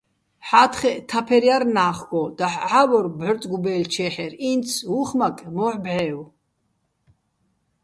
ჰ̦ა́თხეჸ თაფერ ჲარ ნა́ხგო, დაჰ̦ ჺა́ვორ ბჵორწ გუბა́́ჲლ'ჩეჰ̦ერ, ინც უ̂ხ მაკე̆, მო́ჰ̦ ბჵე́ვო̆.